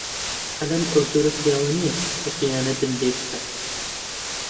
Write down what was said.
ئەلەند ئەو جۆرە پیاوە نییە کە خیانەتت لێ بکات.